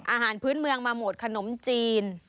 อาหารพื้นเมืองมาหมดขนมจีน